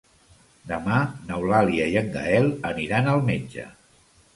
Demà n'Eulàlia i en Gaël aniran al metge.